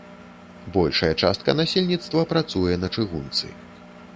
Большая частка насельніцтва працуе на чыгунцы.